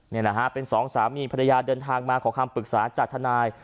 นี่แหละฮะเป็นสองสามีภรรยาเดินทางมาขอคำปรึกษาจากทนาย